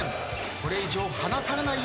これ以上離されないように笑